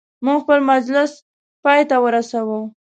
موږ خپل مجلس پایته ورساوه.